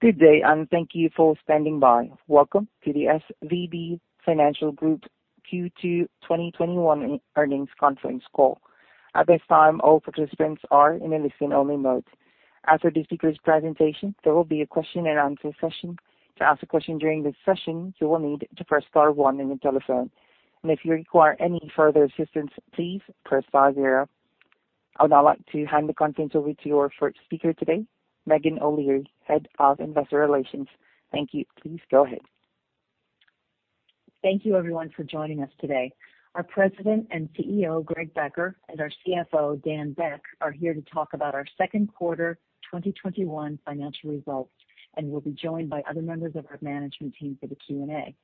Good day, and thank you for standing by. Welcome to the SVB Financial Group Q2 2021 earnings conference call. At this time, all participants are in a listen-only mode. After the speakers' presentation, there will be a question and answer session. I would now like to hand the conference over to your first speaker today, Meghan O'Leary, Head of Investor Relations. Thank you. Please go ahead. Thank you everyone for joining us today. Our President and CEO, Greg Becker, and our CFO, Dan Beck, are here to talk about our second quarter 2021 financial results, and will be joined by other members of our management team for the Q&A.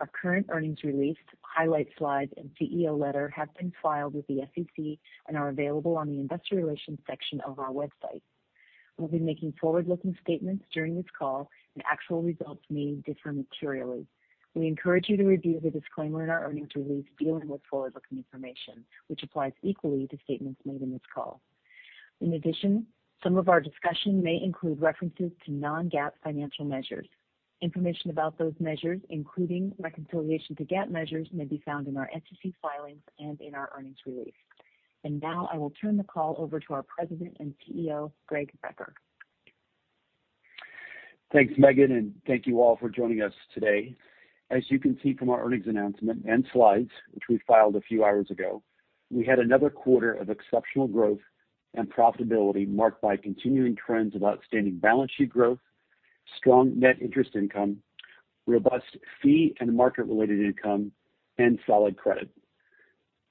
Our current earnings release, highlights slides, and CEO letter have been filed with the SEC and are available on the investor relations section of our website. We'll be making forward-looking statements during this call, and actual results may differ materially. We encourage you to review the disclaimer in our earnings release dealing with forward-looking information, which applies equally to statements made in this call. In addition, some of our discussion may include references to non-GAAP financial measures. Information about those measures, including reconciliation to GAAP measures, may be found in our SEC filings and in our earnings release. Now I will turn the call over to our President and CEO, Greg Becker. Thanks, Meghan, and thank you all for joining us today. As you can see from our earnings announcement and slides, which we filed a few hours ago, we had another quarter of exceptional growth and profitability marked by continuing trends of outstanding balance sheet growth, strong net interest income, robust fee and market-related income, and solid credit.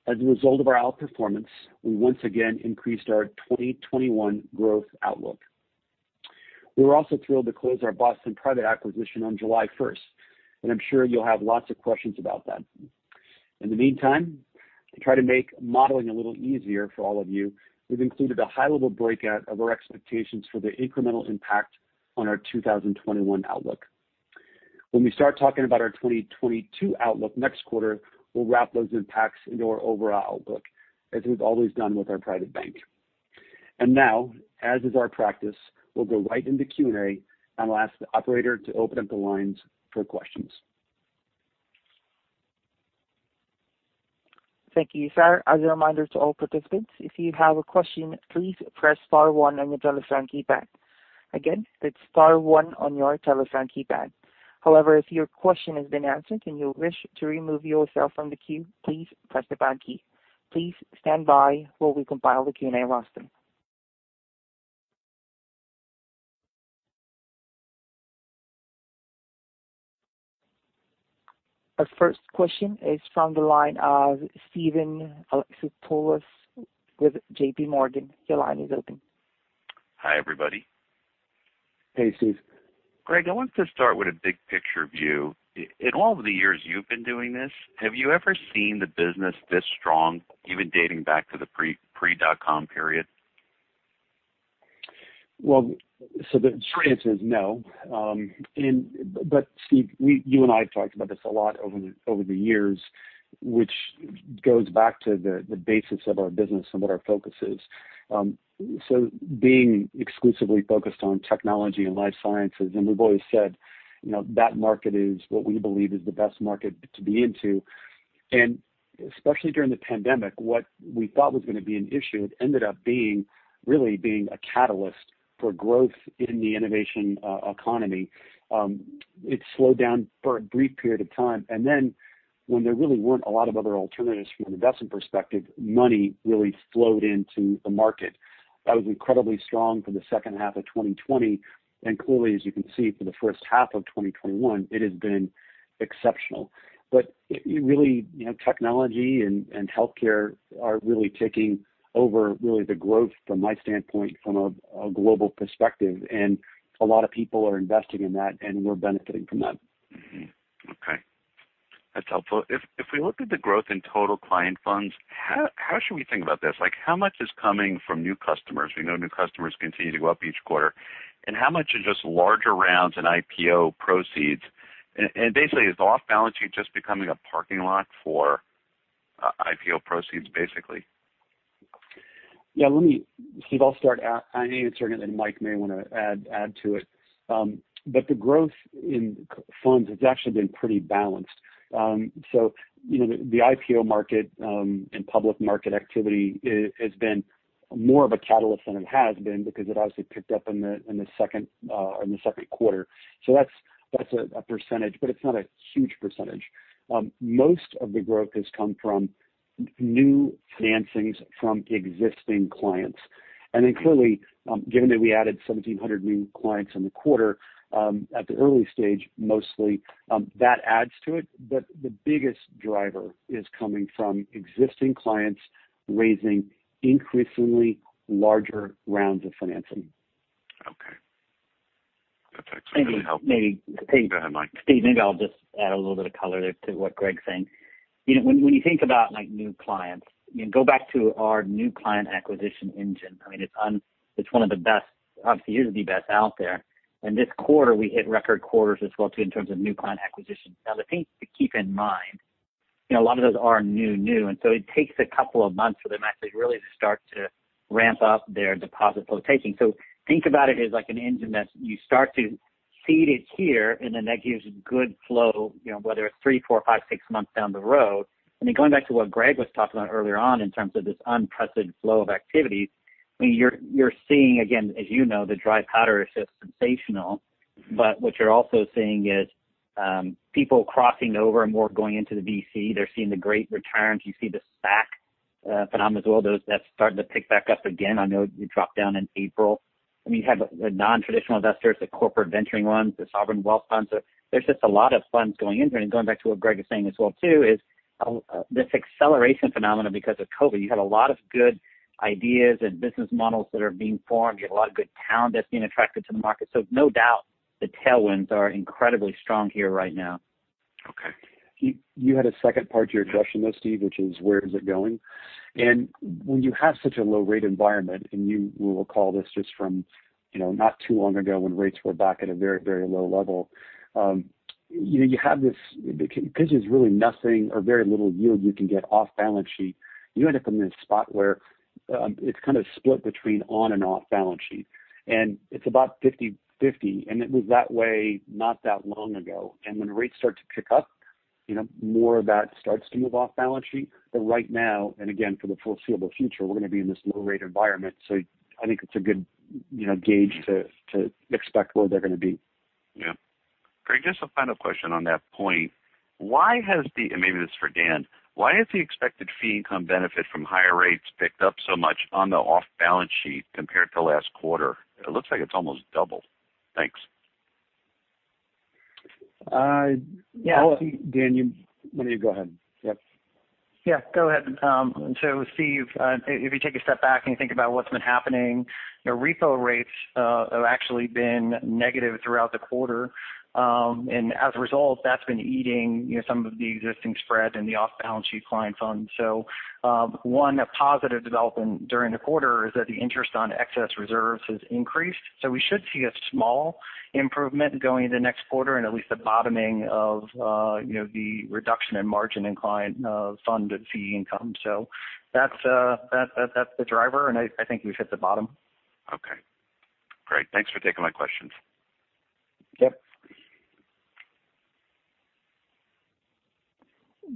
As a result of our outperformance, we once again increased our 2021 growth outlook. We were also thrilled to close our Boston Private acquisition on July 1st, and I'm sure you'll have lots of questions about that. In the meantime, to try to make modeling a little easier for all of you, we've included a high-level breakout of our expectations for the incremental impact on our 2021 outlook. When we start talking about our 2022 outlook next quarter, we'll wrap those impacts into our overall outlook, as we've always done with our private bank. Now, as is our practice, we'll go right into Q&A, and I'll ask the operator to open up the lines for questions. Thank you, sir. As a reminder to all participants, if you have a question, please press star one on your telephone keypad. Again, that's star one on your telephone keypad. However, if your question has been answered and you wish to remove yourself from the queue, please press the pound key. Please stand by while we compile the Q&A roster. Our first question is from the line of Steven Alexopoulos with JPMorgan. Your line is open. Hi, everybody. Hey, Stevne. Greg, I want to start with a big picture view. In all of the years you've been doing this, have you ever seen the business this strong, even dating back to the pre-dot-com period? The straight answer is no. Steven, you and I have talked about this a lot over the years, which goes back to the basis of our business and what our focus is. Being exclusively focused on technology and life sciences, and we've always said that market is what we believe is the best market to be into. Especially during the pandemic, what we thought was going to be an issue ended up really being a catalyst for growth in the innovation economy. It slowed down for a brief period of time. When there really weren't a lot of other alternatives from an investment perspective, money really flowed into the market. That was incredibly strong for the second half of 2020. Clearly, as you can see, for the first half of 2021, it has been exceptional. Really, technology and healthcare are really taking over really the growth from my standpoint from a global perspective. A lot of people are investing in that, and we're benefiting from that. Okay. That's helpful. If we look at the growth in total client funds, how should we think about this? How much is coming from new customers? We know new customers continue to go up each quarter. How much is just larger rounds in IPO proceeds? Basically, is off balance sheet just becoming a parking lot for IPO proceeds? Steven, I'll start answering it, then Mike may want to add to it. The growth in funds has actually been pretty balanced. The IPO market and public market activity has been more of a catalyst than it has been because it obviously picked up in the second quarter. That's a percentage, but it's not a huge percentage. Most of the growth has come from new financings from existing clients. Clearly, given that we added 1,700 new clients in the quarter, at the early stage mostly, that adds to it. The biggest driver is coming from existing clients raising increasingly larger rounds of financing. Okay. That's actually really helpful. Go ahead, Mike. Steven, maybe I'll just add a little bit of color there to what Greg's saying. When you think about new clients, go back to our new client acquisition engine. It's one of the best, obviously is the best out there. This quarter we hit record quarters as well too in terms of new client acquisition. The thing to keep in mind. A lot of those are new, and so it takes a couple of months for them actually really to start to ramp up their deposit flow taking. Think about it as like an engine that you start to feed it here, and then that gives good flow whether it's three, four, five, six months down the road. Going back to what Greg was talking about earlier on in terms of this unprecedented flow of activity, you're seeing, again, as you know, the dry powder is just sensational. What you're also seeing is people crossing over and more going into the VC. They're seeing the great returns. You see the SPAC phenomenon as well, that's starting to pick back up again. I know it dropped down in April. You have the non-traditional investors, the corporate venturing ones, the sovereign wealth funds. There's just a lot of funds going in. Going back to what Greg was saying as well too is this acceleration phenomenon because of COVID. You have a lot of good ideas and business models that are being formed. You have a lot of good talent that's being attracted to the market. No doubt the tailwinds are incredibly strong here right now. Okay. You had a second part to your question though, Steven, which is where is it going? When you have such a low rate environment, you will recall this just from not too long ago when rates were back at a very, very low level. Because there's really nothing or very little yield you can get off balance sheet, you end up in this spot where it's kind of split between on and off balance sheet, and it's about 50/50, and it was that way not that long ago. When rates start to pick up, more of that starts to move off balance sheet. Right now, and again, for the foreseeable future, we're going to be in this low rate environment. I think it's a good gauge to expect where they're going to be. Yeah. Greg, just a final question on that point. Maybe this is for Dan. Why has the expected fee income benefit from higher rates picked up so much on the off-balance sheet compared to last quarter? It looks like it's almost double. Thanks. Dan, you go ahead. Yep. Yeah, go ahead. Steven, if you take a step back and you think about what's been happening, repo rates have actually been negative throughout the quarter. As a result, that's been eating some of the existing spread in the off-balance sheet client funds. One positive development during the quarter is that the interest on excess reserves has increased. We should see a small improvement going into next quarter and at least a bottoming of the reduction in margin in client fund fee income. That's the driver, and I think we've hit the bottom. Okay. Great. Thanks for taking my questions. Yep.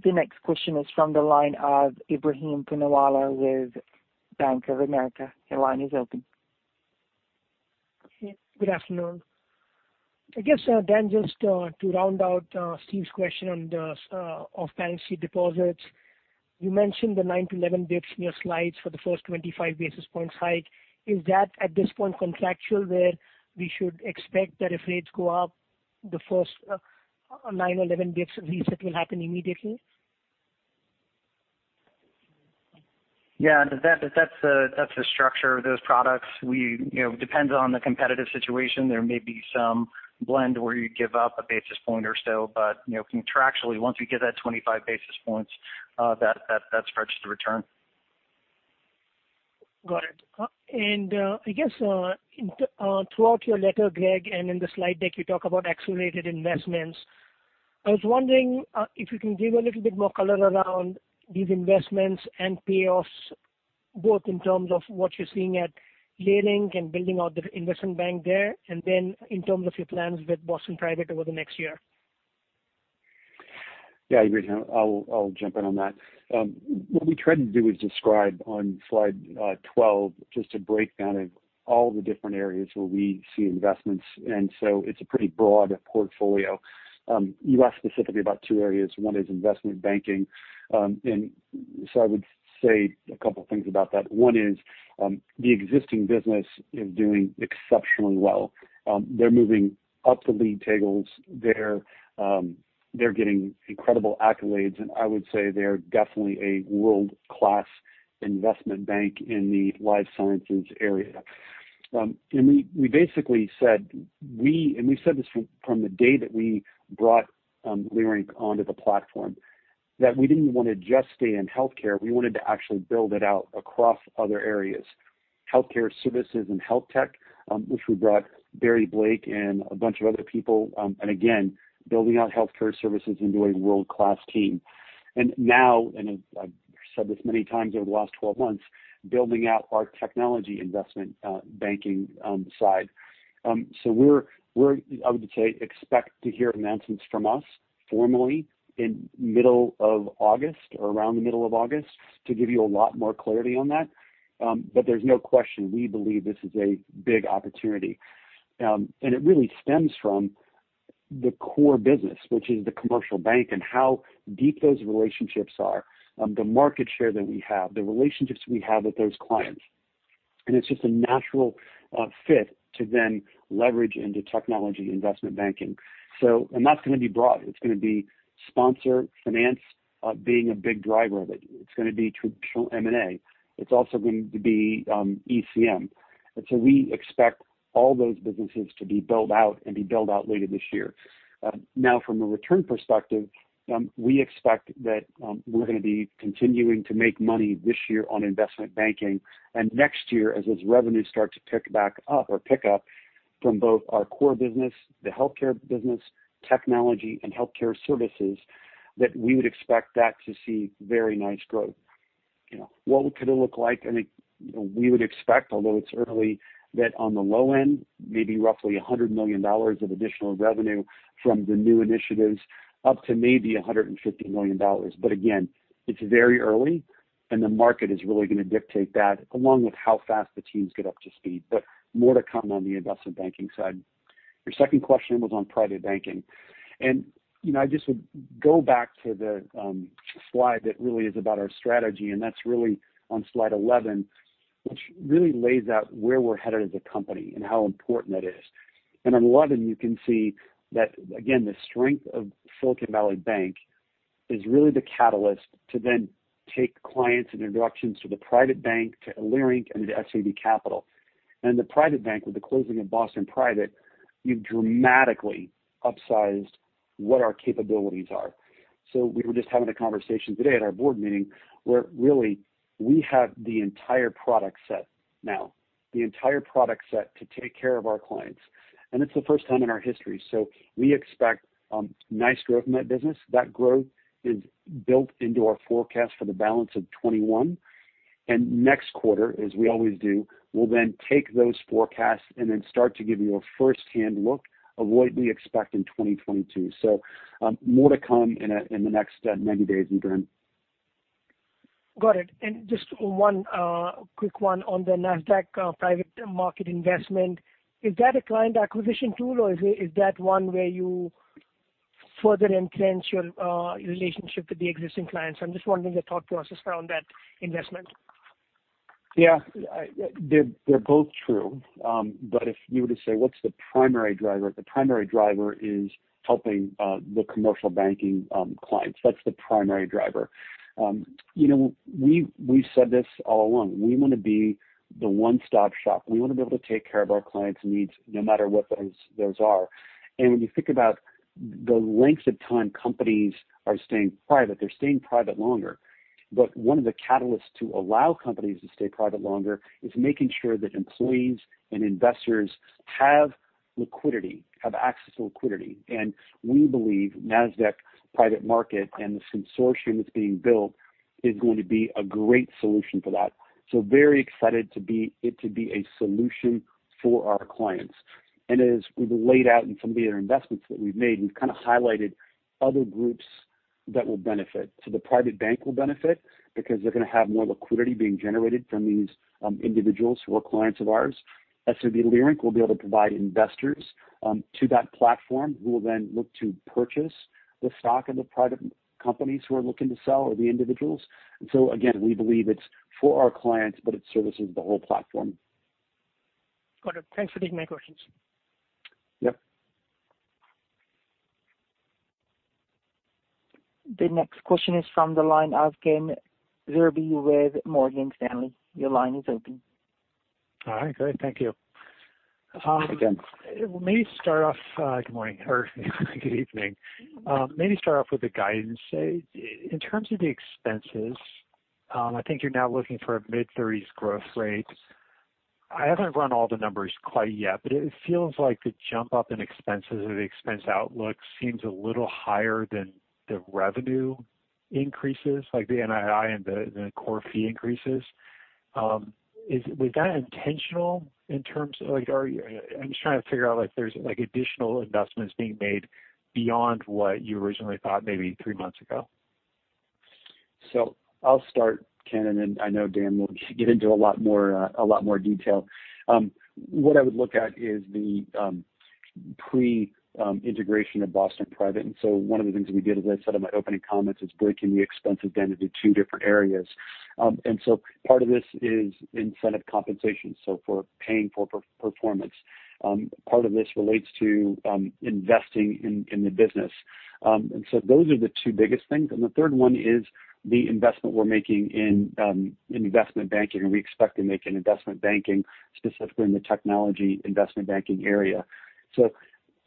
The next question is from the line of Ebrahim Poonawala with Bank of America. Your line is open. Good afternoon. I guess, Dan, just to round out Steven's question on the off-balance sheet deposits. You mentioned the 9 basis points-11 basis points in your slides for the first 25 basis points hike. Is that at this point contractual where we should expect that if rates go up, the first 9 basis points or 11 basis points reset will happen immediately? Yeah. That's the structure of those products. Depends on the competitive situation. There may be some blend where you give up a basis point or so, but contractually, once we get that 25 basis points, that's uncertain Got it. I guess throughout your letter, Greg, and in the slide deck, you talk about accelerated investments. I was wondering if you can give a little bit more color around these investments and payoffs, both in terms of what you're seeing at Leerink and building out the investment bank there, and then in terms of your plans with Boston Private over the next year. Yeah. Ebrahim, I'll jump in on that. What we tried to do is describe on slide 12 just a breakdown of all the different areas where we see investments, and so it's a pretty broad portfolio. You asked specifically about two areas. One is investment banking. I would say a couple things about that. One is the existing business is doing exceptionally well. They're moving up the league tables. They're getting incredible accolades, and I would say they are definitely a world-class investment bank in the life sciences area. We basically said, and we've said this from the day that we brought Leerink onto the platform, that we didn't want to just stay in healthcare. We wanted to actually build it out across other areas. Healthcare services and health tech, which we brought Barry Blake and a bunch of other people. Again, building out healthcare services into a world-class team. Now, I've said this many times over the last 12 months, building out our technology investment banking side. We're, I would say, expect to hear announcements from us formally in middle of August or around the middle of August to give you a lot more clarity on that. There's no question we believe this is a big opportunity. It really stems from the core business, which is the commercial bank and how deep those relationships are, the market share that we have, the relationships we have with those clients. It's just a natural fit to then leverage into technology investment banking. That's going to be broad. It's going to be sponsor finance being a big driver of it. It's going to be traditional M&A. It's also going to be ECM. We expect all those businesses to be built out and be built out later this year. Now from a return perspective, we expect that we're going to be continuing to make money this year on investment banking. Next year, as those revenues start to pick back up or pick up from both our core business, the healthcare business, technology, and healthcare services, that we would expect that to see very nice growth. What could it look like? I think we would expect, although it's early, that on the low end, maybe roughly $100 million of additional revenue from the new initiatives, up to maybe $150 million. Again, it's very early, and the market is really going to dictate that along with how fast the teams get up to speed. More to come on the investment banking side. Your second question was on private banking. I just would go back to the slide that really is about our strategy, and that's really on slide 11, which really lays out where we're headed as a company and how important that is. In 11, you can see that, again, the strength of Silicon Valley Bank is really the catalyst to then take clients and introductions to the private bank, to SVB Leerink, and to SVB Capital. The private bank with the closing of Boston Private, we've dramatically upsized what our capabilities are. We were just having a conversation today at our board meeting where really we have the entire product set now. The entire product set to take care of our clients. It's the first time in our history. We expect nice growth in that business. That growth is built into our forecast for the balance of 2021. Next quarter, as we always do, we'll then take those forecasts and then start to give you a first-hand look of what we expect in 2022. More to come in the next many days. Got it. Just one quick one on the NASDAQ Private Market investment. Is that a client acquisition tool or is that one where you further enhance your relationship with the existing clients? I'm just wondering your thought process around that investment. Yeah. They're both true. If you were to say, what's the primary driver? The primary driver is helping the commercial banking clients. That's the primary driver. We've said this all along. We want to be the one-stop shop. We want to be able to take care of our clients' needs no matter what those are. When you think about the length of time companies are staying private, they're staying private longer. One of the catalysts to allow companies to stay private longer is making sure that employees and investors have liquidity, have access to liquidity. We believe NASDAQ Private Market and the consortium that's being built is going to be a great solution for that. Very excited it to be a solution for our clients. As we've laid out in some of the other investments that we've made, we've kind of highlighted other groups that will benefit. The private bank will benefit because they're going to have more liquidity being generated from these individuals who are clients of ours. SVB Leerink will be able to provide investors to that platform who will then look to purchase the stock of the private companies who are looking to sell or the individuals. Again, we believe it's for our clients, but it services the whole platform. Got it. Thanks for taking my questions. Yep. The next question is from the line of Ken Zerbe with Morgan Stanley. Your line is open. Hi. Great. Thank you. Hi, Ken. Good morning, or good evening. Maybe start off with the guidance. In terms of the expenses, I think you're now looking for a mid-30s growth rate. I haven't run all the numbers quite yet, but it feels like the jump up in expenses or the expense outlook seems a little higher than the revenue increases, like the NII and the core fee increases. Was that intentional in terms of like I'm just trying to figure out if there's additional investments being made beyond what you originally thought maybe three months ago. I'll start, Ken, and then I know Dan will get into a lot more detail. What I would look at is the pre-integration of Boston Private. One of the things we did, as I said in my opening comments, is breaking the expense identity, two different areas. Part of this is incentive compensation, so for paying for performance. Part of this relates to investing in the business. Those are the two biggest things. The third one is the investment we're making in investment banking, and we expect to make in investment banking, specifically in the technology investment banking area.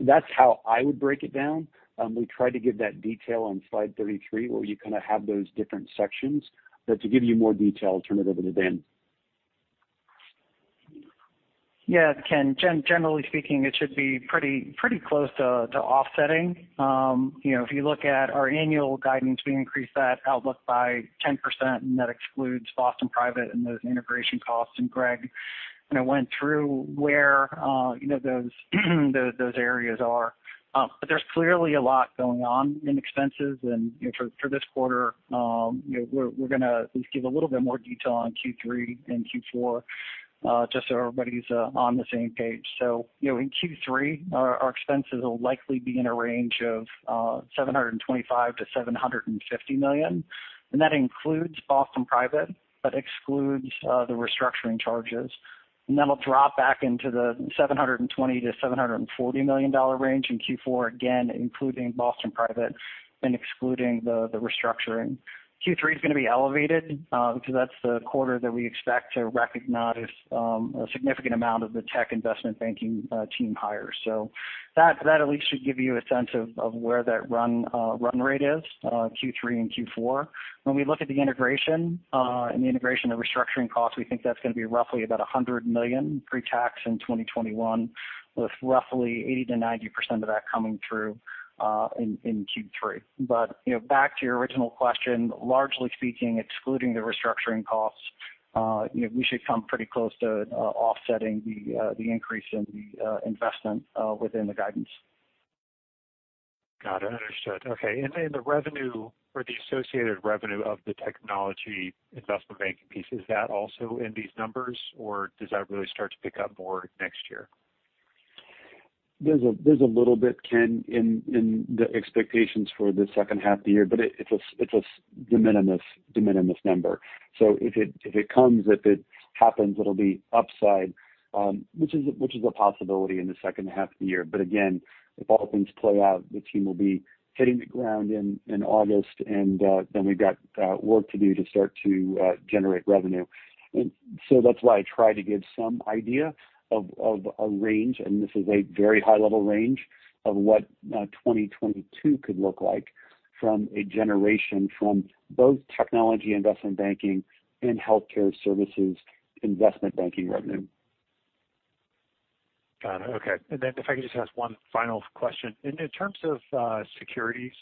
That's how I would break it down. We try to give that detail on slide 33, where you kind of have those different sections. To give you more detail, I'll turn it over to Dan. Ken, generally speaking, it should be pretty close to offsetting. If you look at our annual guidance, we increased that outlook by 10%, and that excludes Boston Private and those integration costs. Greg kind of went through where those areas are. There's clearly a lot going on in expenses. For this quarter, we're going to at least give a little bit more detail on Q3 and Q4, just so everybody's on the same page. In Q3, our expenses will likely be in a range of $725 million-$750 million. That includes Boston Private, but excludes the restructuring charges. That'll drop back into the $720 million-$740 million range in Q4, again, including Boston Private and excluding the restructuring. Q3 is going to be elevated because that's the quarter that we expect to recognize a significant amount of the tech investment banking team hires. That at least should give you a sense of where that run rate is, Q3 and Q4. When we look at the integration and the integration of restructuring costs, we think that's going to be roughly about $100 million pre-tax in 2021, with roughly 80%-90% of that coming through in Q3. Back to your original question, largely speaking, excluding the restructuring costs. We should come pretty close to offsetting the increase in the investment within the guidance. Got it. Understood. Okay. The revenue or the associated revenue of the technology investment banking piece, is that also in these numbers, or does that really start to pick up more next year? There's a little bit, Ken, in the expectations for the second half of the year, but it's a de minimis number. If it comes, if it happens, it'll be upside, which is a possibility in the second half of the year. Again, if all things play out, the team will be hitting the ground in August, and then we've got work to do to start to generate revenue. That's why I try to give some idea of a range, and this is a very high-level range of what 2022 could look like from a generation from both technology investment banking and healthcare services investment banking revenue. Got it. Okay. If I could just ask one final question. In terms of securities,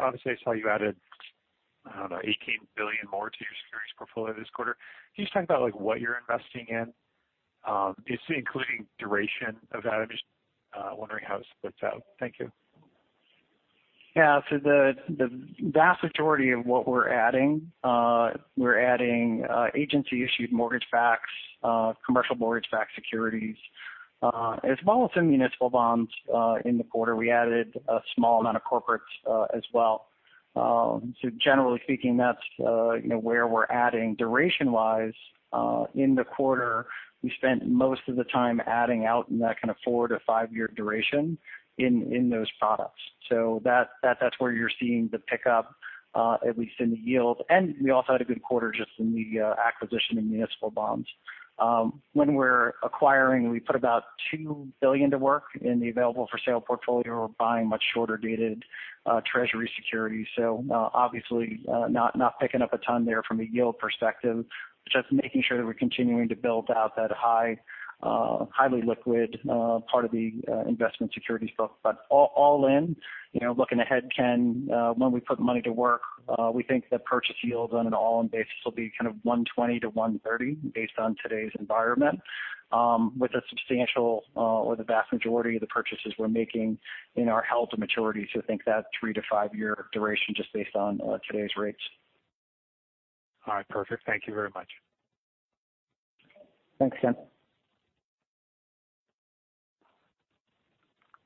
obviously I saw you added, I don't know, $18 billion more to your securities portfolio this quarter. Can you just talk about what you're investing in? Is it including duration of that? I'm just wondering how it splits out. Thank you. Yeah. The vast majority of what we're adding, we're adding agency-issued mortgage-backed, commercial mortgage-backed securities, as well as some municipal bonds in the quarter. We added a small amount of corporates as well. Generally speaking, that's where we're adding duration-wise. In the quarter, we spent most of the time adding out in that kind of four to five-year duration in those products. That's where you're seeing the pickup, at least in the yield. And we also had a good quarter just in the acquisition in municipal bonds. When we're acquiring, we put about $2 billion to work in the available for sale portfolio. We're buying much shorter-dated treasury securities. Obviously, not picking up a ton there from a yield perspective, but just making sure that we're continuing to build out that highly liquid part of the investment securities book. All in, looking ahead, Ken, when we put money to work, we think that purchase yields on an all-in 120 basis points-130 basis points based on today's environment. with a substantial or the vast majority of the purchases we're making in our held to maturity. Think that three to five-year duration just based on today's rates. All right. Perfect. Thank you very much. Thanks, Ken.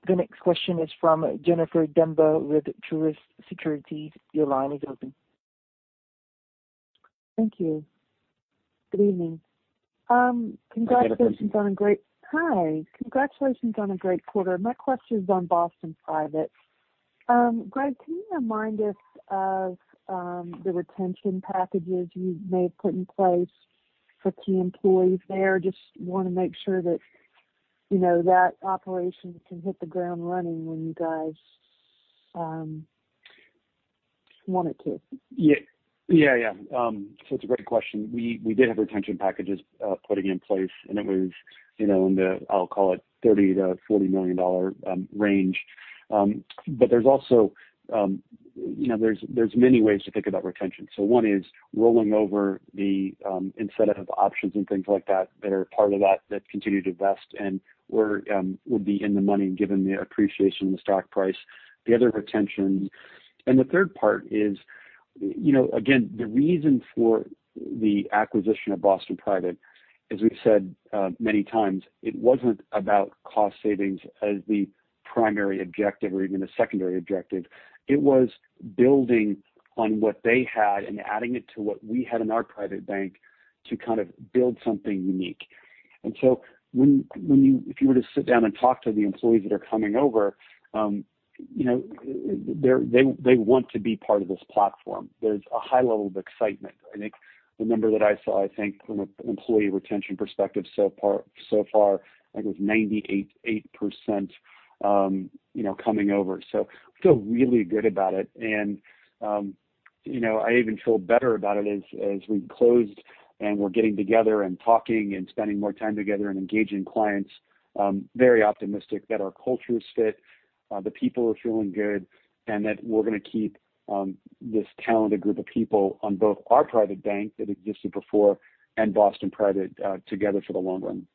The next question is from Jennifer Demba with Truist Securities. Your line is open. Thank you. Good evening. Hi, Jennifer. Hi. Congratulations on a great quarter. My question is on Boston Private. Greg, can you remind us of the retention packages you may have put in place for key employees there? Just want to make sure that that operation can hit the ground running when you guys want it to. It's a great question. We did have retention packages putting in place, and it was in the, I'll call it $30 million-$40 million range. There's many ways to think about retention. One is rolling over the incentive options and things like that are part of that continue to vest and would be in the money given the appreciation in the stock price, the other retention. The third part is, again, the reason for the acquisition of Boston Private, as we've said many times, it wasn't about cost savings as the primary objective or even a secondary objective. It was building on what they had and adding it to what we had in our private bank to kind of build something unique. If you were to sit down and talk to the employees that are coming over, they want to be part of this platform. There's a high level of excitement. I think the number that I saw, I think from an employee retention perspective so far I think was 98% coming over. I feel really good about it. I even feel better about it as we closed and we're getting together and talking and spending more time together and engaging clients. Very optimistic that our cultures fit, the people are feeling good, and that we're going to keep this talented group of people on both our private bank that existed before and Boston Private together for the long run.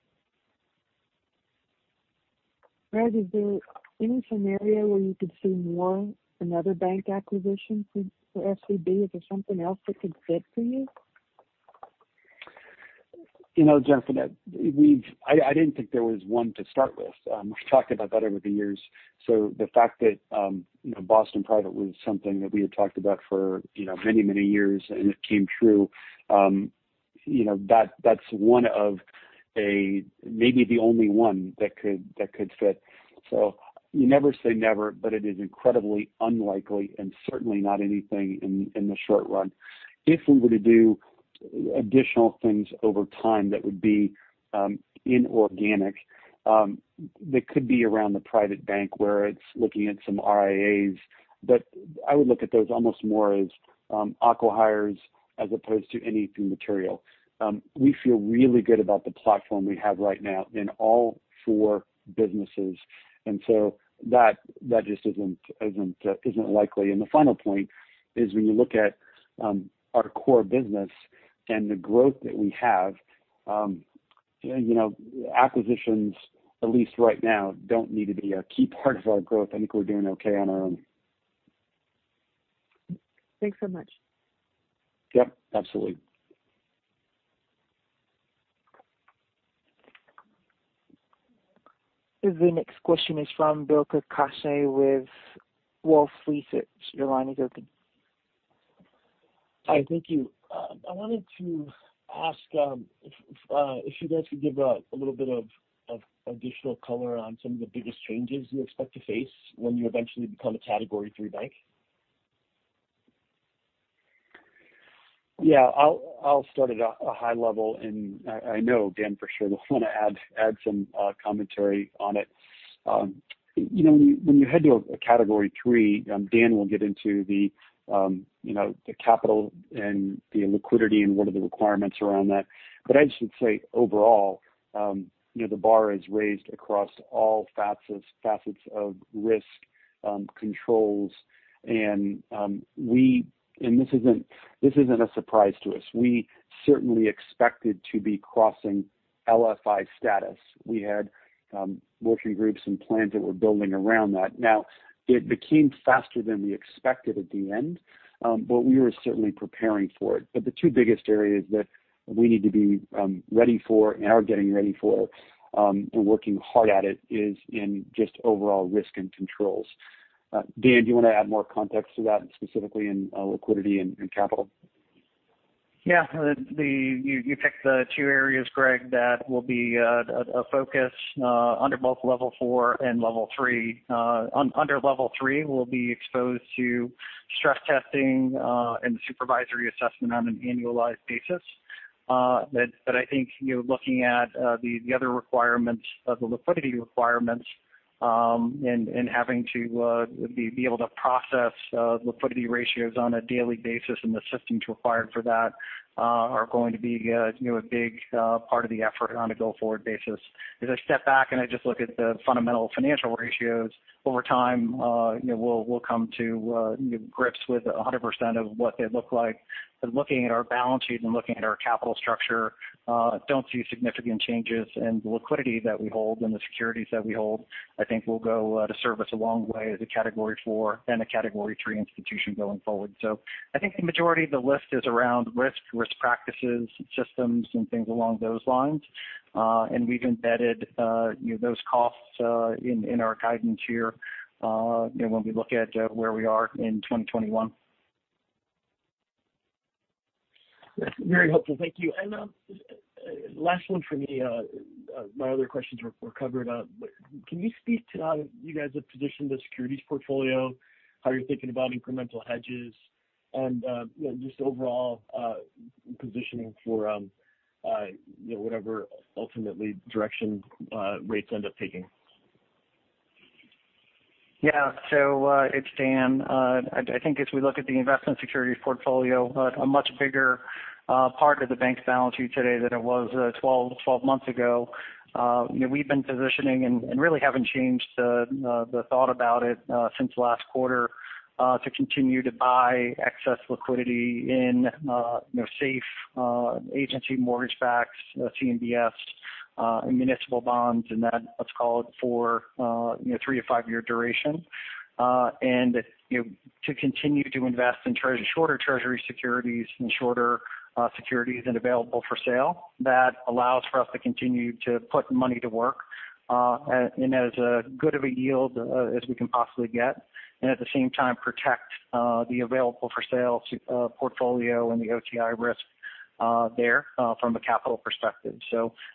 Greg, is there any scenario where you could see more, another bank acquisition for SVB? Is there something else that could fit for you? Jennifer, I didn't think there was one to start with. We've talked about that over the years. The fact that Boston Private was something that we had talked about for many years and it came true, that's one of maybe the only one that could fit. You never say never, but it is incredibly unlikely and certainly not anything in the short run. If we were to do additional things over time, that would be inorganic. That could be around the private bank where it's looking at some RIAs. I would look at those almost more as acqui-hires as opposed to anything material. We feel really good about the platform we have right now in all four businesses, and so that just isn't likely. The final point is when you look at our core business and the growth that we have. Acquisitions, at least right now, don't need to be a key part of our growth. I think we're doing okay on our own. Thanks so much. Yep, absolutely. The next question is from Bill Carcache with Wolfe Research. Your line is open. Hi, thank you. I wanted to ask if you guys could give a little bit of additional color on some of the biggest changes you expect to face when you eventually become a Category III bank? I'll start at a high level, and I know Dan for sure will want to add some commentary on it. When you head to a Category III, Dan will get into the capital and the liquidity and what are the requirements around that. I just would say overall, the bar is raised across all facets of risk controls. This isn't a surprise to us. We certainly expected to be crossing LFI status. We had working groups and plans that were building around that. Now, it became faster than we expected at the end. We were certainly preparing for it. The two biggest areas that we need to be ready for and are getting ready for, and working hard at it, is in just overall risk and controls. Dan, do you want to add more context to that, specifically in liquidity and capital? Yeah. You picked the two areas, Greg, that will be a focus under both Level 4 and Level 3. Under Level 3, we'll be exposed to stress testing and supervisory assessment on an annualized basis. I think, looking at the other requirements of the liquidity requirements, and having to be able to process liquidity ratios on a daily basis and the systems required for that, are going to be a big part of the effort on a go-forward basis. As I step back and I just look at the fundamental financial ratios over time, we'll come to grips with 100% of what they look like. Looking at our balance sheet and looking at our capital structure, I don't see significant changes in the liquidity that we hold and the securities that we hold. I think we'll go to serv us a long way as a Category 4 and a Category 3 institution going forward. I think the majority of the list is around risk practices, systems, and things along those lines. We've embedded those costs in our guidance year when we look at where we are in 2021. Very helpful. Thank you. Last one from me. My other questions were covered. Can you speak to how you guys have positioned the securities portfolio? How you're thinking about incremental hedges and just overall positioning for whatever ultimately direction rates end up taking? Yeah. It's Dan. I think as we look at the investment securities portfolio, a much bigger part of the bank's balance sheet today than it was 12 months ago. We've been positioning and really haven't changed the thought about it since last quarter, to continue to buy excess liquidity in safe agency mortgage backs, CMBS, and municipal bonds, and that, let's call it for three- to five-year duration. To continue to invest in shorter Treasury securities and shorter securities and available for sale. That allows for us to continue to put money to work in as good of a yield as we can possibly get. At the same time, protect the available for sale portfolio and the OCI risk there from a capital perspective.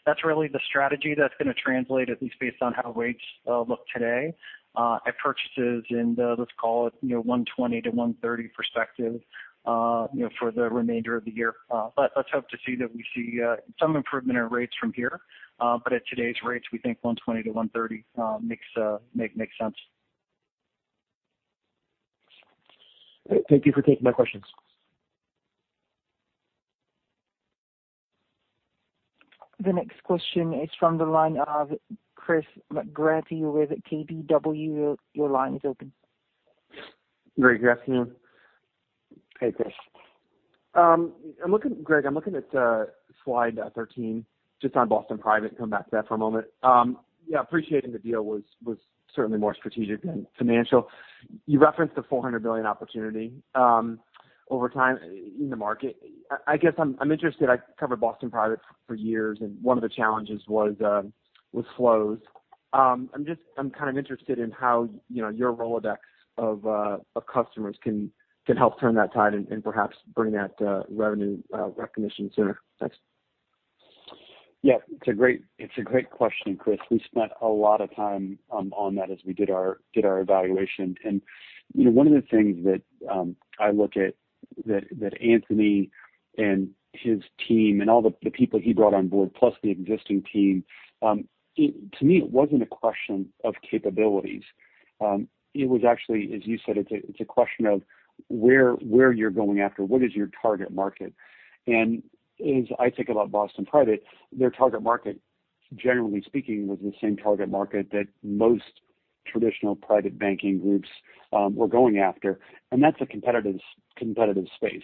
That's really the strategy that's going to translate, at least based on how rates look today at purchases in the, 120 basis points-130 basis points for the remainder of the year. Let's hope to see that we see some improvement in rates from here. At today's we think 120 basis points-130 basis points makes sense. Thank you for taking my questions. The next question is from the line of Chris McGratty. You're with KBW. Your line is open. Greg, afternoon. Hey, Chris. Greg, I'm looking at slide 13 just on Boston Private. Come back to that for a moment. Yeah, appreciating the deal was certainly more strategic than financial. You referenced the $400 billion opportunity over time in the market. I guess I'm interested. I covered Boston Private for years, and one of the challenges was flows. I'm kind of interested in how your Rolodex of customers can help turn that tide and perhaps bring that revenue recognition sooner. Thanks. Yeah. It's a great question, Chris. We spent a lot of time on that as we did our evaluation. One of the things that I look at that Anthony and his team and all the people he brought on board, plus the existing team to me, it wasn't a question of capabilities. It was actually, as you said, it's a question of where you're going after. What is your target market? As I think about Boston Private, their target market, generally speaking, was the same target market that most Traditional private banking groups were going after, and that's a competitive space.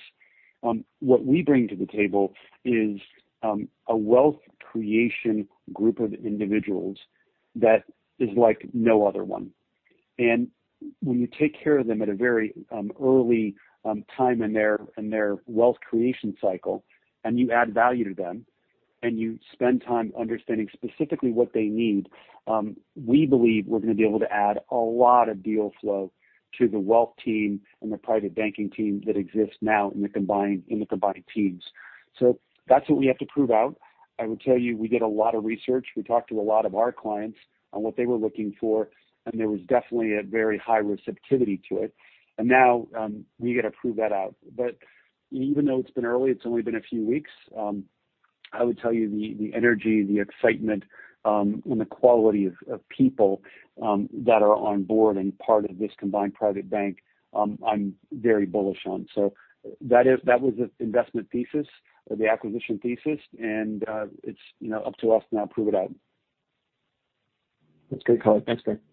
What we bring to the table is a wealth creation group of individuals that is like no other one. When you take care of them at a very early time in their wealth creation cycle, and you add value to them, and you spend time understanding specifically what they need, we believe we're going to be able to add a lot of deal flow to the wealth team and the private banking team that exists now in the combined teams. That's what we have to prove out. I would tell you, we did a lot of research. We talked to a lot of our clients on what they were looking for, and there was definitely a very high receptivity to it. Now we got to prove that out. Even though it's been early, it's only been a few weeks. I would tell you the energy, the excitement, and the quality of people that are on board and part of this combined private bank, I'm very bullish on. That was the investment thesis or the acquisition thesis, and it's up to us now to prove it out. That's great color. Thanks, Greg. Yep.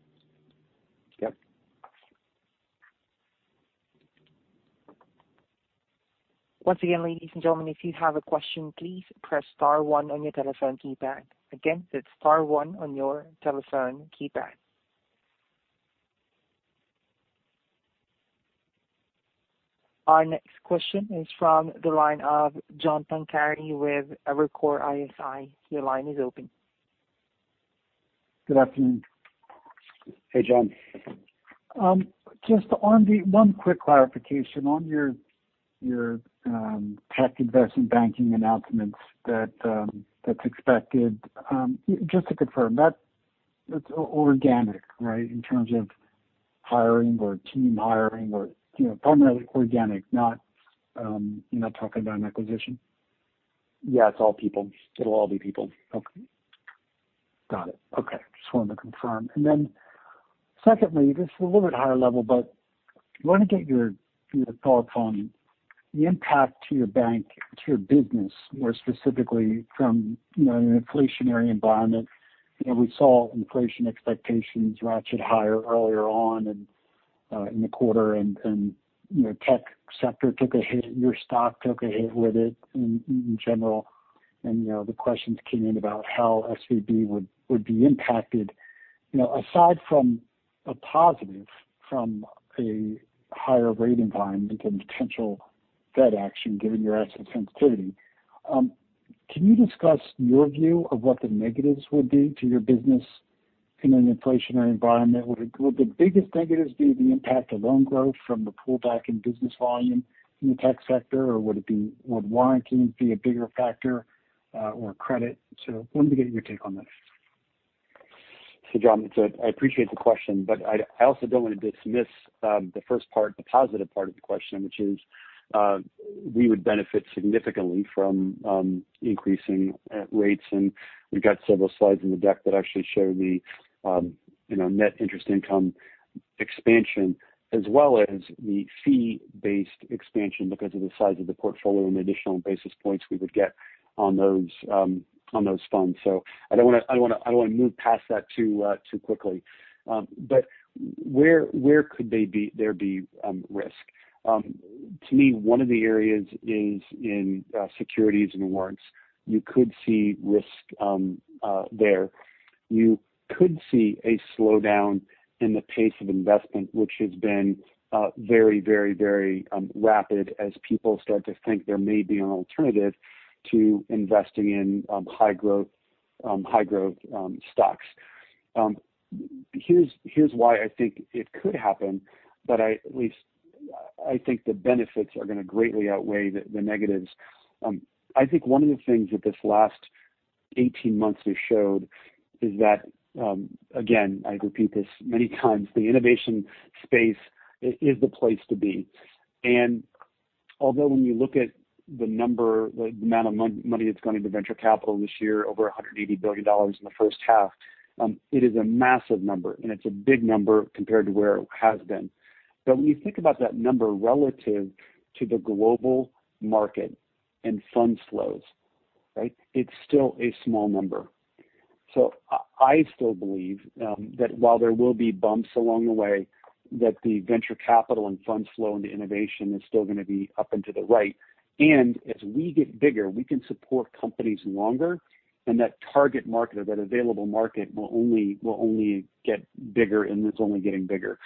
Once again, ladies and gentlemen, if you have a question, please press star one on your telephone keypad. Again, it's star one on your telephone keypad. Our next question is from the line of John Pancari with Evercore ISI. Your line is open. Good afternoon. Hey, John. Just one quick clarification on your tech investment banking announcements that is expected. Just to confirm, that is organic, right? In terms of hiring or team hiring or primarily organic, you are not talking about an acquisition? Yeah, it's all people. It'll all be people. Okay. Got it. Okay. Just wanted to confirm. Secondly, this is a little bit higher level, but want to get your thought on the impact to your bank, to your business, more specifically from an inflationary environment. We saw inflation expectations ratchet higher earlier on in the quarter, tech sector took a hit, your stock took a hit with it in general. The questions came in about how SVB would be impacted. Aside from a positive from a higher rate environment and potential Fed action, given your asset sensitivity. Can you discuss your view of what the negatives would be to your business in an inflationary environment? Would the biggest negatives be the impact of loan growth from the pullback in business volume in the tech sector? Would warranting be a bigger factor or credit? Wanted to get your take on this. John, I appreciate the question. I also don't want to dismiss the first part, the positive part of the question, which is we would benefit significantly from increasing rates, and we've got several slides in the deck that actually show the net interest income expansion as well as the fee-based expansion because of the size of the portfolio and the additional basis points we would get on those funds. I don't want to move past that too quickly. Where could there be risk? To me, 1 of the areas is in securities and warrants. You could see risk there. You could see a slowdown in the pace of investment, which has been very rapid as people start to think there may be an alternative to investing in high growth stocks. Here's why I think it could happen, but at least I think the benefits are going to greatly outweigh the negatives. I think one of the things that this last 18 months has showed is that, again, I repeat this many times, the innovation space is the place to be. Although when you look at the amount of money that's gone into venture capital this year, over $180 billion in the 1st half. It is a massive number, and it's a big number compared to where it has been. When you think about that number relative to the global market and fund flows. It's still a small number. I still believe that while there will be bumps along the way, that the venture capital and fund flow into innovation is still going to be up and to the right. As we get bigger, we can support companies longer, and that target market or that available market will only get bigger, and it's only getting bigger.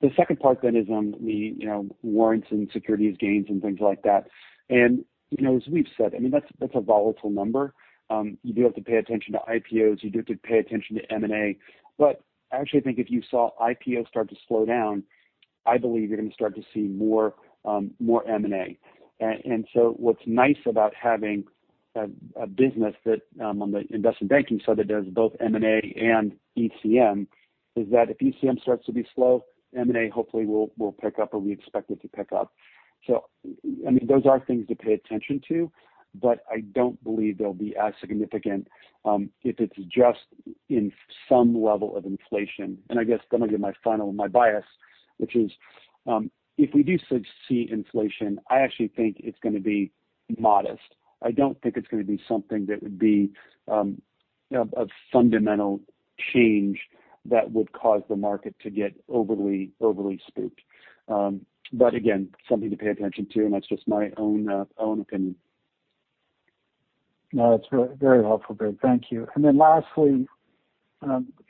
The second part then is on the warrants and securities gains and things like that. As we've said, that's a volatile number. You do have to pay attention to IPOs, you do have to pay attention to M&A. I actually think if you saw IPOs start to slow down, I believe you're going to start to see more M&A. What's nice about having a business that on the investment banking side that does both M&A and ECM is that if ECM starts to be slow, M&A hopefully will pick up or we expect it to pick up. Those are things to pay attention to, but I don't believe they'll be as significant if it's just in some level of inflation. I guess I'm going to give my final, my bias, which is if we do see inflation, I actually think it's going to be modest. I don't think it's going to be something that would be a fundamental change that would cause the market to get overly spooked. Again, something to pay attention to, and that's just my own opinion. No, it's very helpful, Greg. Thank you. Lastly,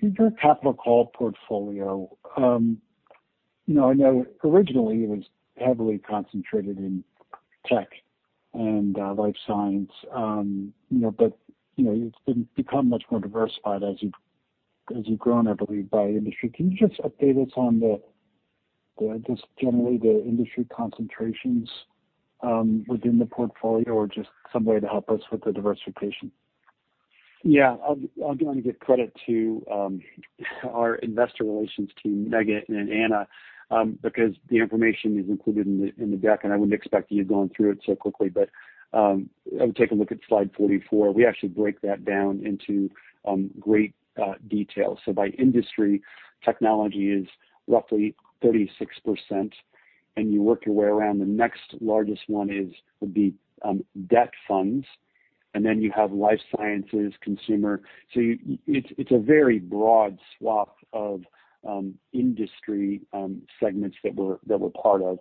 your Capital Call portfolio. I know originally it was heavily concentrated in tech and life science. It's become much more diversified as you've grown, I believe, by industry. Can you just update us on the industry concentrations within the portfolio or just some way to help us with the diversification? I'll give credit to our investor relations team, Meghan and Anna because the information is included in the deck, and I wouldn't expect you to have gone through it so quickly. Take a look at slide 44. We actually break that down into great detail. By industry, technology is roughly 36%, and you work your way around. The next largest one would be debt funds. You have life sciences, consumer. It's a very broad swath of industry segments that we're part of.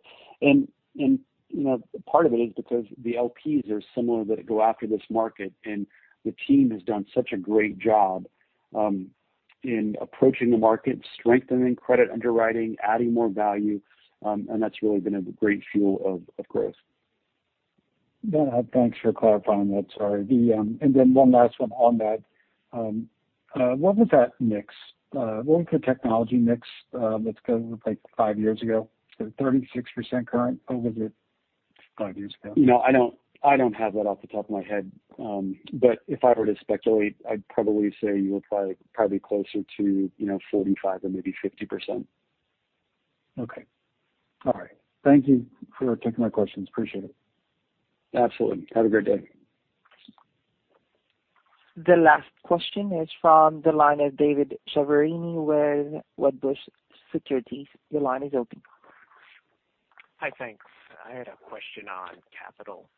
Part of it is because the LPs are similar that go after this market, and the team has done such a great job in approaching the market, strengthening credit underwriting, adding more value. That's really been a great fuel of growth. Thanks for clarifying that. Sorry. One last one on that. What was that mix? What was the technology mix? Let's go like five years ago. Is it 36% current? What was it five years ago? I don't have that off the top of my head. If I were to speculate, I'd probably say you were probably closer to 45% or maybe 50%. Okay. All right. Thank you for taking my questions. Appreciate it. Absolutely. Have a great day. The last question is from the line of David Chiaverini with Wedbush Securities. Your line is open. Hi. Thanks. I had a question on capital.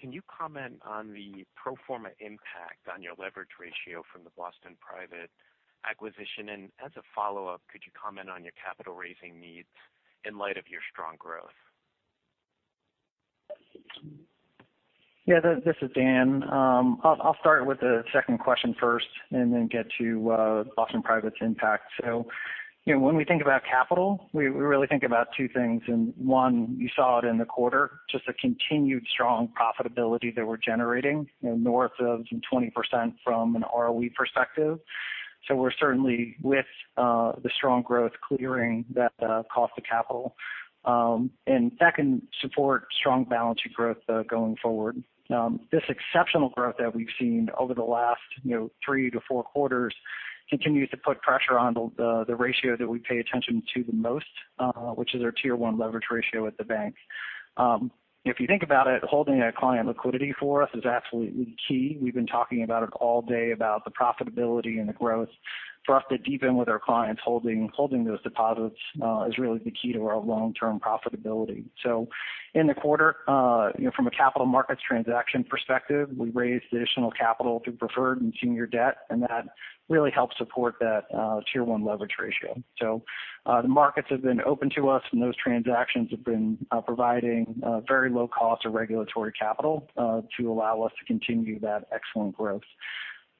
Can you comment on the pro forma impact on your leverage ratio from the Boston Private acquisition? As a follow-up, could you comment on your capital raising needs in light of your strong growth? Yeah. This is Dan. I'll start with the second question first and then get to Boston Private's impact. When we think about capital, we really think about two things, and one, you saw it in the quarter, just the continued strong profitability that we're generating north of 20% from an ROE perspective. We're certainly with the strong growth clearing that cost of capital. Second, support strong balance sheet growth going forward. This exceptional growth that we've seen over the last three to four quarters continues to put pressure on the ratio that we pay attention to the most, which is our Tier 1 leverage ratio at the bank. If you think about it, holding that client liquidity for us is absolutely key. We've been talking about it all day about the profitability and the growth. For us to deepen with our clients holding those deposits is really the key to our long-term profitability. In the quarter from a capital markets transaction perspective, we raised additional capital through preferred and senior debt, and that really helped support that Tier 1 leverage ratio. The markets have been open to us, and those transactions have been providing very low cost of regulatory capital to allow us to continue that excellent growth.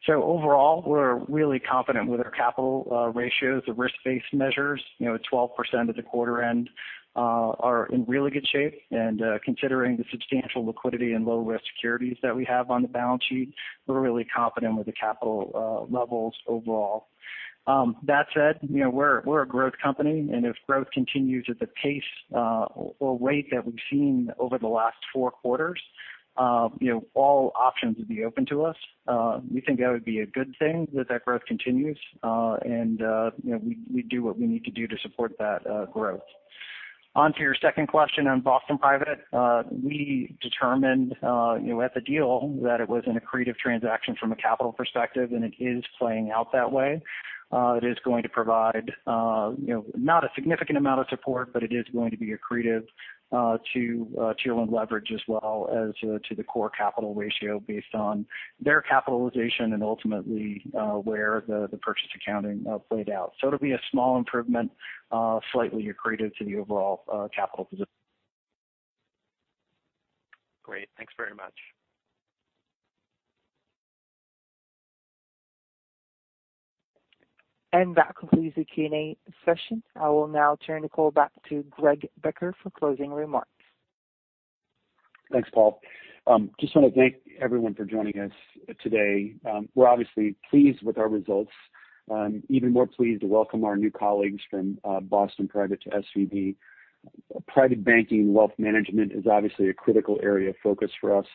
Overall, we're really confident with our capital ratios. The risk-based measures at 12% at the quarter end are in really good shape. Considering the substantial liquidity and low-risk securities that we have on the balance sheet, we're really confident with the capital levels overall. That said, we're a growth company, and if growth continues at the pace or rate that we've seen over the last four quarters, all options would be open to us. We think that would be a good thing that that growth continues. We'd do what we need to do to support that growth. On to your second question on Boston Private. We determined at the deal that it was an accretive transaction from a capital perspective, and it is playing out that way. It is going to provide not a significant amount of support, but it is going to be accretive to Tier 1 leverage as well as to the core capital ratio based on their capitalization and ultimately where the purchase accounting played out. It'll be a small improvement slightly accretive to the overall capital position. Great. Thanks very much. That concludes the Q&A session. I will now turn the call back to Greg Becker for closing remarks. Thanks, Paul. Just want to thank everyone for joining us today. We're obviously pleased with our results. Even more pleased to welcome our new colleagues from Boston Private to SVB. Private banking and wealth management is obviously a critical area of focus for us.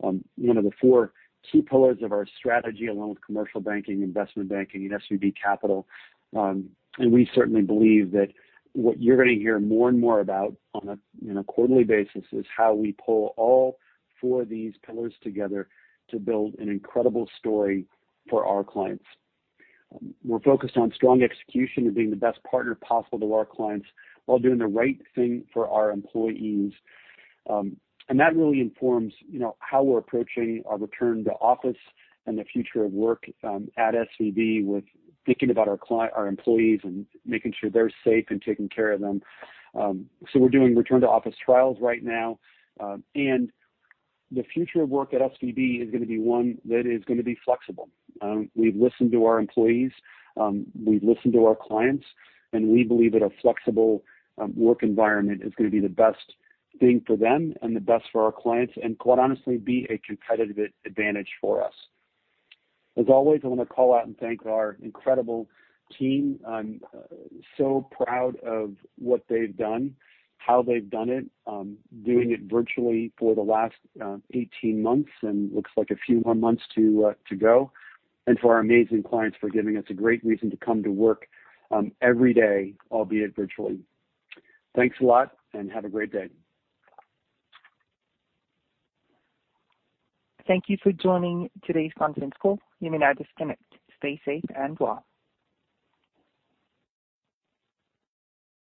One of the four key pillars of our strategy along with commercial banking, investment banking, and SVB Capital. We certainly believe that what you're going to hear more and more about on a quarterly basis is how we pull all four of these pillars together to build an incredible story for our clients. We're focused on strong execution and being the best partner possible to our clients while doing the right thing for our employees. That really informs how we're approaching our return to office and the future of work at SVB with thinking about our employees and making sure they're safe and taking care of them. We're doing return to office trials right now. The future of work at SVB is going to be one that is going to be flexible. We've listened to our employees. We've listened to our clients. We believe that a flexible work environment is going to be the best thing for them and the best for our clients, and quite honestly, be a competitive advantage for us. As always, I want to call out and thank our incredible team. I'm so proud of what they've done, how they've done it, doing it virtually for the last 18 months, and looks like a few more months to go. For our amazing clients for giving us a great reason to come to work every day, albeit virtually. Thanks a lot and have a great day. Thank you for joining today's conference call. You may now disconnect. Stay safe and well.